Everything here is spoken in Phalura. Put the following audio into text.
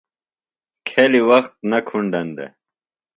کھیلیۡ وخت نہ کُھنڈن دےۡ۔